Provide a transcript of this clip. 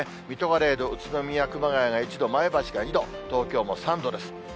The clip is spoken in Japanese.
水戸が０度、宇都宮、熊谷が１度、前橋が２度、東京も３度です。